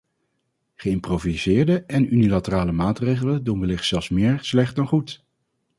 Geïmproviseerde en unilaterale maatregelen doen wellicht zelfs meer slecht dan goed.